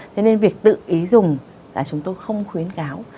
thế nên việc tự ý dùng là chúng tôi không khuyến cáo